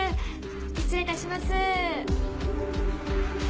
失礼いたします。